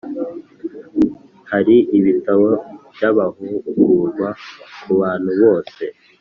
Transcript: Hari ibitabo by’abahugurwa ku bantu bose